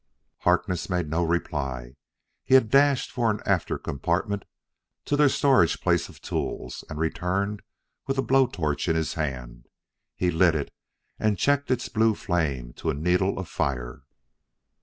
Harkness made no reply. He had dashed for an after compartment to their storage place of tools, and returned with a blow torch in his hand. He lit it and checked its blue flame to a needle of fire.